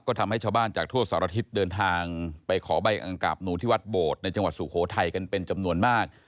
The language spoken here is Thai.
ก็ทำให้ชาวบ้านจากทั่วสารทิศเดินทางไปขอใบอังกราบหนูที่วัดโบดในจังหวัดสุโขทัยกันเป็นจำนวนมาก